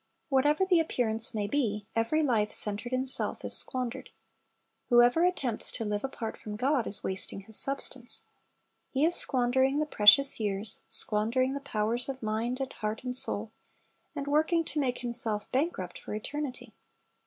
^ Whatever the appearance may be, every life centered in self is squandered. Whoever attempts to live apart from JProv. 5:22 2 Rom. i : 28 "Lost, and Is Found'' 201 God, is wasting his substance. He is squandering the precious years, squandering the powers of mind and heart and soul, and working to make himself bankrupt for eternity.